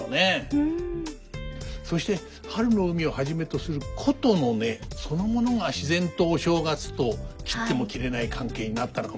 そして「春の海」をはじめとする箏の音そのものが自然とお正月と切っても切れない関係になったのかもしれませんね。